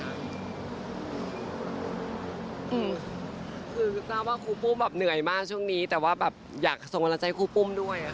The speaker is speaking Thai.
คือรู้สึกว่าครูปุ้มเหนื่อยมากช่วงนี้แต่ว่าอยากสงวัลใจครูปุ้มด้วย